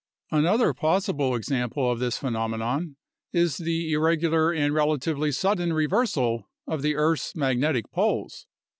Another possible example of this phenomenon is the irregular and relatively sudden reversal of the earth's magnetic poles.